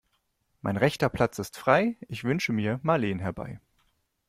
Mein rechter Platz ist frei, ich wünsche mir Marleen herbei.